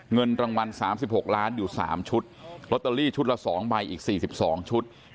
เงินรางวัล๓๖ล้านอยู่๓ชุดลอตเตอรี่ชุดละ๒ใบอีก๔๒ชุด